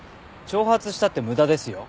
挑発したって無駄ですよ。